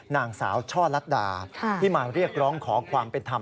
นางสาวช่อลัดดาที่มาเรียกร้องขอความเป็นธรรม